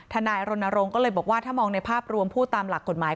นายรณรงค์ก็เลยบอกว่าถ้ามองในภาพรวมพูดตามหลักกฎหมาย